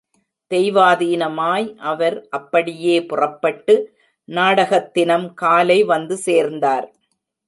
தெய்வாதீனமாய் அவர் அப்படியே புறப்பட்டு நாடகத் தினம் காலை வந்து சேர்ந்தார்.